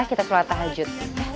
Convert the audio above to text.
kita sholat tahajud